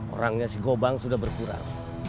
orangnya si gobang sudah berkurang